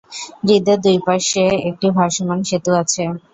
হ্রদের দুই পাশে একটি ভাসমান সেতু আছে।